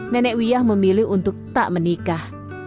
nenek wiyah memilih untuk tak menikah